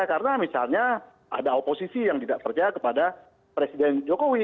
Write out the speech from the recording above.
karena misalnya ada oposisi yang tidak percaya kepada presiden jokowi